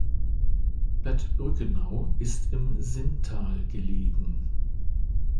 Bad Brückenau ist im Sinntal gelegen.